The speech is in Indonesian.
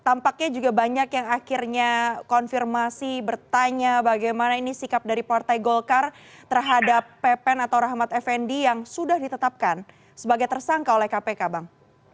tampaknya juga banyak yang akhirnya konfirmasi bertanya bagaimana ini sikap dari partai golkar terhadap pepen atau rahmat effendi yang sudah ditetapkan sebagai tersangka oleh kpk bang